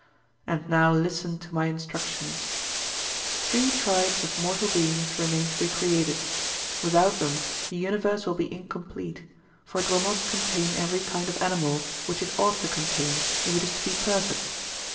And now listen to my instructions:—Three tribes of mortal beings remain to be created—without them the universe will be incomplete, for it will not contain every kind of animal which it ought to contain, if it is to be perfect.